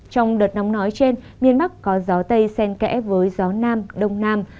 trong đợt nóng nói trên miền bắc có gió tây sen kẽ với gió nam đông nam